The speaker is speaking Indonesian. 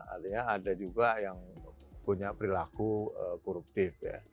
artinya ada juga yang punya perilaku koruptif ya